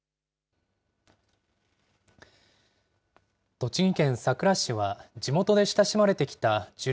栃木県さくら市は地元で親しまれてきた樹齢